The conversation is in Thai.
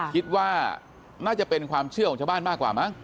คิดว่าน่าจะเป็นความเชื่อของชาวบ้านมากกว่ามั้ง